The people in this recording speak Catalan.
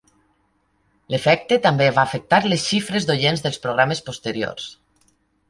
L'efecte també va afectar les xifres d'oients dels programes posteriors.